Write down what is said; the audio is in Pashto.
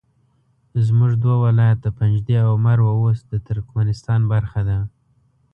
زموږ دوه ولایته پنجده او مروه اوس د ترکمنستان برخه ده